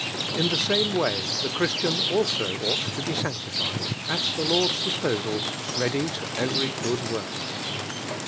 In the same way the Christian might also to be sane tified, at the Lord's disposal, "ready to do every good wort."